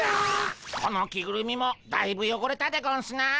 この着ぐるみもだいぶよごれたでゴンスな。